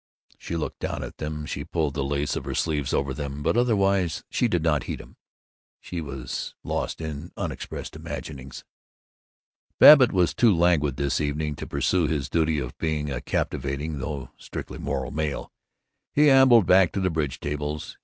She looked down at them, she pulled the lace of her sleeves over them, but otherwise she did not heed him. She was lost in unexpressed imaginings. Babbitt was too languid this evening to pursue his duty of being a captivating (though strictly moral) male. He ambled back to the bridge tables.